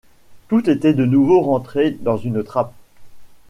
Tout était de nouveau rentré dans une trappe.